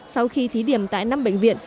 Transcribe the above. sau khi thí điểm tại năm bệnh viện